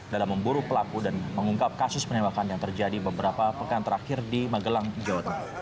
dalam memburu pelaku dan mengungkap kasus penembakan yang terjadi beberapa pekan terakhir di magelang jawa tengah